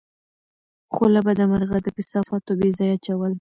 خو له بده مرغه، د کثافاتو بېځايه اچول